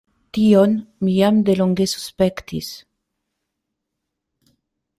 Tion mi jam de longe suspektis.